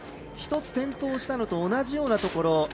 １つ転倒したのと同じようなところ。